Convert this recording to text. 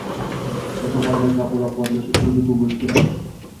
mukofotlash va qo‘llab-quvvatlash uslubi ko‘p bo‘lishi kerak.